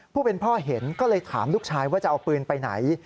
ผู้เป็นพ่อเห็นก็เลยถามลูกชายว่าจะเอาปืนไปไหน